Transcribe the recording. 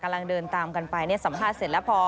กำลังเดินตามกันไปเนี่ยสัมภาษณ์เสร็จแล้วพอ